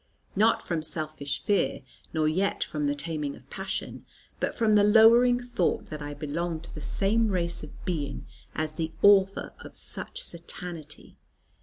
Not from selfish fear, nor yet from the taming of passion, but from the lowering thought that I belonged to the same race of being as the author of such Satanity.